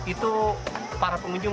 itu para pengunjung